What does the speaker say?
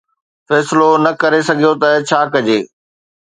فيصلو نه ڪري سگهيو ته ڇا ڪجي.